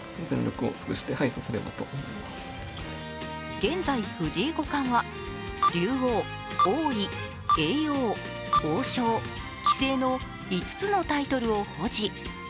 現在、藤井五冠は竜王、王位、叡王、王将、棋聖の５つのタイトルを保持。